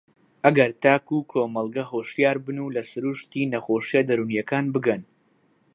ئەگەر تاک و کۆمەڵگە هۆشیار بن و لە سرووشتی نەخۆشییە دەروونییەکان بگەن